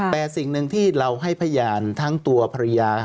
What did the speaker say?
แต่สิ่งหนึ่งที่เราให้พยานทั้งตัวภรรยา